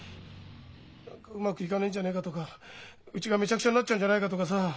「うまくいかねえんじゃないか」とか「うちがめちゃくちゃになっちゃうんじゃないか」とかさ